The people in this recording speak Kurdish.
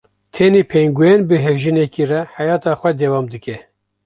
tenê pengûen bi hevjînekê re heyeta xwe dewam dike.